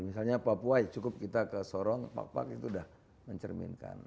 misalnya papua cukup kita ke sorong papua itu sudah mencerminkan